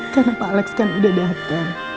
karena pak alex kan udah dateng